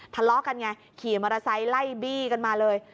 ทะเลาะกันไงขี่มอเตอร์ไซค์ไล่บี้กันมาเลย